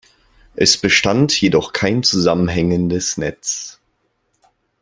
Es bestand jedoch kein zusammenhängendes Netz.